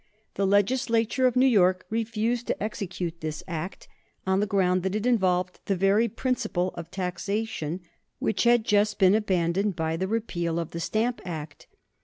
The Legislature of New York refused to execute this Act, on the ground that it involved the very principle of taxation which had just been abandoned by the repeal of the Stamp Act.